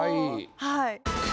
はい。